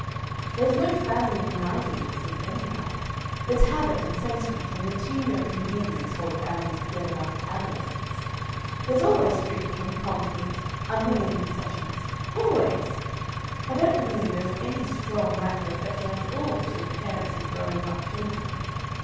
There's no family uniting instinct, anyhow; it's habit and sentiment and material convenience hold families together after adolescence. There's always friction, conflict, unwilling concessions. Always! I don't believe there is any strong natural affection at all between parents and growing up children.